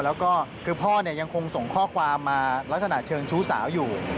แล้วก็คือพ่อเนี่ยยังคงส่งข้อความมาลักษณะเชิงชู้สาวอยู่